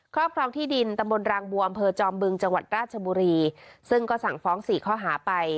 รอบครองที่ดินตำบลรางบัวอำเภอจอมบึงจังหวัดราชบุรีซึ่งก็สั่งฟ้องสี่ข้อหาไป